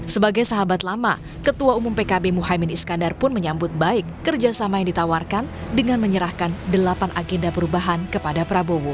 sebagai sahabat lama ketua umum pkb muhaymin iskandar pun menyambut baik kerjasama yang ditawarkan dengan menyerahkan delapan agenda perubahan kepada prabowo